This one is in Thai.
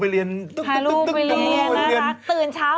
ศาลนะฯสาว